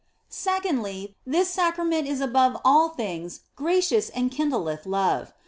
Secondly, this Sacrament is above all things gracious and kindleth love.